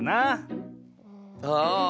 ああ。